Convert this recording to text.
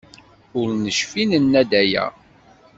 Ur necfi nenna-d aya.